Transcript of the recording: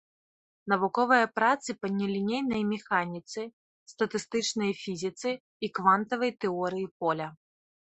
Навуковыя працы па нелінейнай механіцы, статыстычнай фізіцы і квантавай тэорыі поля.